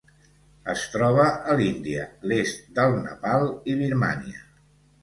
Es troba a l'Índia, l'est del Nepal i Birmània.